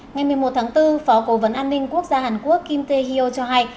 ngày một mươi một tháng bốn phó cố vấn an ninh quốc gia hàn quốc kim ta hyo cho hay